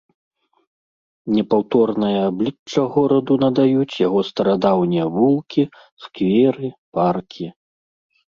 Непаўторнае аблічча гораду надаюць яго старадаўнія вулкі, скверы, паркі.